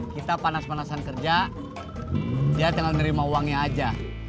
kita panas panasan kerja dia tinggal nerima uangnya aja